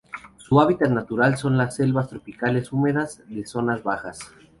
Su hábitat natural son las selvas tropicales húmedas de zonas bajas.